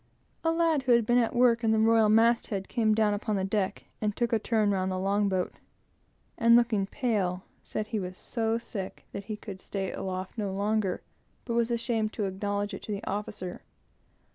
A lad who had been at work at the royal mast head, came down upon the deck, and took a turn round the long boat; and looking very pale, said he was so sick that he could stay aloft no longer, but was ashamed to acknowledge it to the officer.